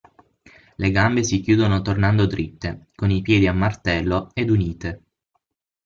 Le gambe si chiudono tornando dritte, con i piedi a martello ed unite.